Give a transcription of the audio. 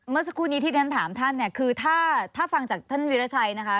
เมื่อสักครู่นี้ที่ฉันถามท่านเนี่ยคือถ้าฟังจากท่านวิราชัยนะคะ